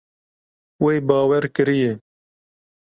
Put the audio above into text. Wê bawer kiriye.